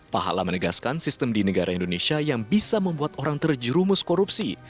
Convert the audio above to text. pahala menegaskan sistem di negara indonesia yang bisa membuat orang terjerumus korupsi